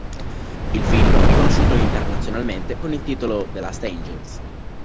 Il film è conosciuto internazionalmente con il titolo "The Last Angels"